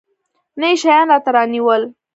نه يې شيان راته رانيول.